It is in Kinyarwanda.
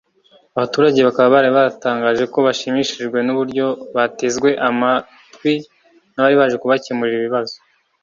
Abaturage bakaba baratangaje ko bashimishijwe n’uburyo batezwe amatwi n’abaribaje kubakemurira ibibazo